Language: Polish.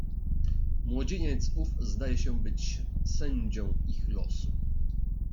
"Młodzieniec ów zdaje się być sędzią ich losu."